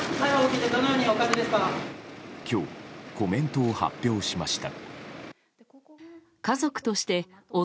今日、コメントを発表しました。